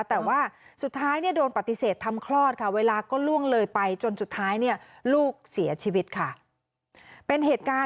แต่ว่าสุดท้ายเนี่ยโดนปฏิเสธทำคลอดค่ะเวลาก็ล่วงเลยไปจนสุดท้ายเนี่ยลูกเสียชีวิตค่ะเป็นเหตุการณ์